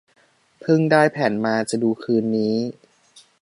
เพิ่งได้แผ่นมา จะดูคืนนี้